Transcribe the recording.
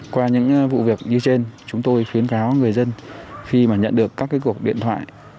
qua những vụ việc như trên chúng tôi khuyến cáo người dân khi mà nhận được các cuộc điện thoại